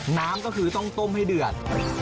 น้ำก็คือต้องต้มให้เดือด